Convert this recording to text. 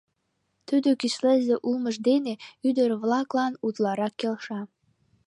Тудо кӱслезе улмыж дене ӱдыр-влаклан утларак келша.